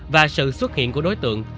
và sự xuất hiện của đối tượng